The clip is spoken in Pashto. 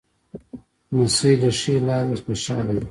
لمسی له ښې لاره خوشحاله وي.